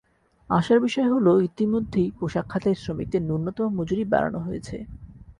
আশার বিষয় হলো, ইতিমধ্যেই পোশাক খাতের শ্রমিকদের ন্যূনতম মজুরি বাড়ানো হয়েছে।